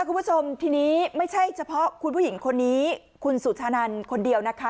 คุณผู้ชมทีนี้ไม่ใช่เฉพาะคุณผู้หญิงคนนี้คุณสุชานันคนเดียวนะคะ